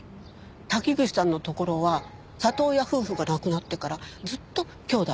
滝口さんのところは里親夫婦が亡くなってからずっと兄妹２人で。